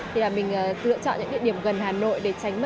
thì là mình lựa chọn những địa điểm gần hà nội để tránh mất sức nhiều